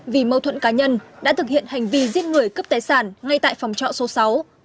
vì mâu thuẫn cá nhân đã thực hiện hành vi giết người cướp tài sản ngay tại phòng trọ số sáu